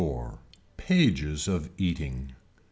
Pages of eating.